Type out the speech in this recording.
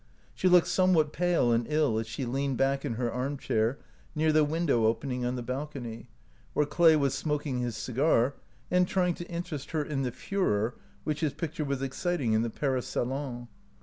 She looked somewhat pale and ill as she leaned back in her arm chair near the window opening on the balcony, where Clay was smoking his cigar and try ing to interest her in the furor which his pic ture was exciting in the Paris salon.